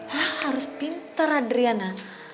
lo harus pintar adriana